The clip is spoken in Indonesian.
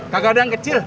gak ada yang kecil